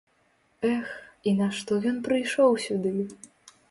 Эх, і нашто ён прыйшоў сюды?